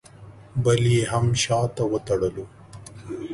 بل یې هم شاته وتړلو.